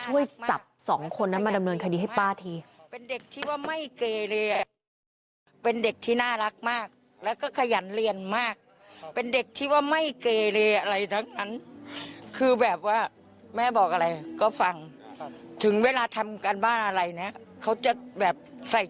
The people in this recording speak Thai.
ช่วยจับสองคนนั้นมาดำเนินคดีให้ป้าที